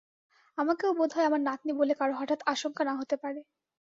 আমাকেও বোধ হয় আমার নাতনী বলে কারো হঠাৎ আশঙ্কা না হতে পারে।